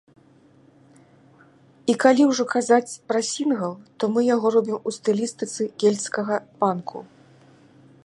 І калі ўжо казаць пра сінгл, то мы яго робім у стылістыцы кельцкага панку.